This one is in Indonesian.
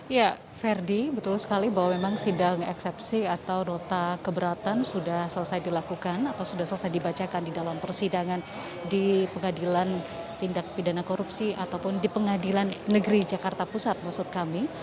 ya verdi betul sekali bahwa memang sidang eksepsi atau nota keberatan sudah selesai dilakukan atau sudah selesai dibacakan di dalam persidangan di pengadilan tindak pidana korupsi ataupun di pengadilan negeri jakarta pusat maksud kami